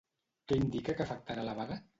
Què indica que afectarà la vaga?